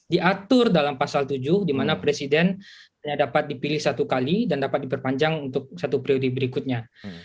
diatur dalam pasal tujuh di mana presiden hanya dapat dipilih satu kali dan dapat diperpanjang untuk satu priori berikutnya